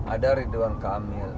ada ridwan kamil